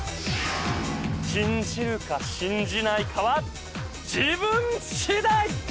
信じるか信じないかは自分次第！